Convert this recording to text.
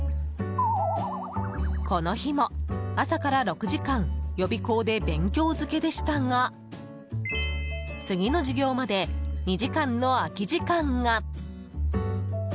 この日も朝から６時間予備校で勉強漬けでしたが次の授業まで２時間の空き時間が。